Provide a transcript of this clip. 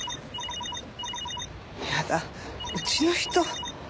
やだうちの人。